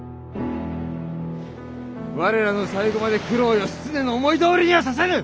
我らの最期まで九郎義経の思いどおりにはさせぬ！